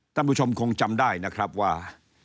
ท่านผู้ชมคงจำได้นะครับว่า